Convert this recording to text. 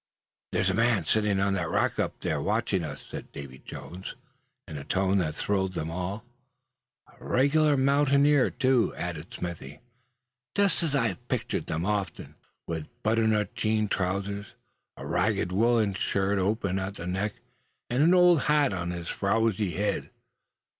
"There's a man sitting on that rock up there, watching us!" said Davy Jones, in a tone that thrilled them all. "A regular mountaineer too," added Smithy. "Just as I've pictured them often, with butternut jean trousers, a ragged woolen shirt open at the neck, and an old hat on his frowsy head.